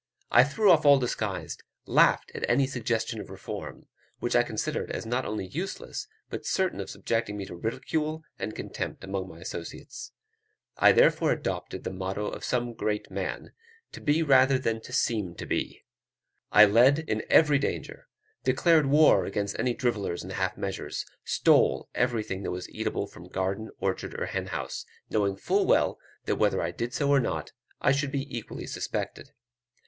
I threw off all disguise, laughed at any suggestion of reform, which I considered as not only useless, but certain of subjecting me to ridicule and contempt among my associates. I therefore adopted the motto of some great man "to be rather than seem to be." I led in every danger; declared war against all drivellers and half measures; stole everything that was eatable from garden, orchard, or hen house, knowing full well that whether I did so or not, I should be equally suspected.